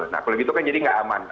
nah kalau gitu kan jadi nggak aman